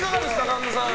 神田さん。